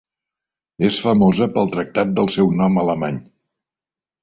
És famosa pel tractat del seu nom alemany.